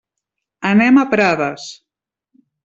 Anem a Prades.